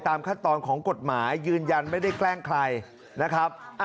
ท่ามทราบากลับทราบ